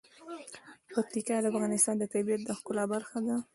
پکتیکا د افغانستان د طبیعت د ښکلا برخه ده.